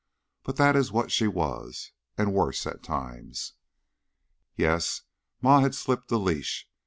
But that is what she was. And worse at times. Yes, Ma had slipped the leash.